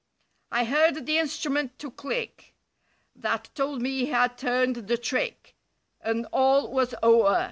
I heard the instrument to click. That told me he had turned the trick— And all was o'er.